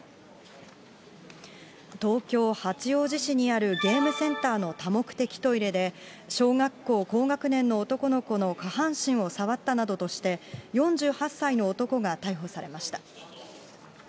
東京・八王子市にあるゲームセンターの多目的トイレで、小学校高学年の男の子の下半身を触ったなどとして、４８歳の男が逮捕されました。